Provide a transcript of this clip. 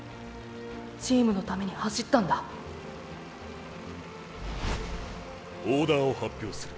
チームのために走ったんだ作戦を発表する。